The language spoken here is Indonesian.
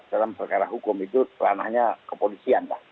dalam perkara hukum itu ranahnya kepolisian